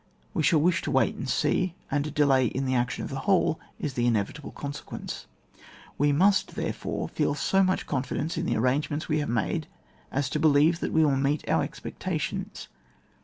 We shall wish to wait and see, and a delay in the action of the whole is the inevitable consequence. We must, therefore, feel so much con fidence in the arrangements we have made as to believe that they will meet our expectations.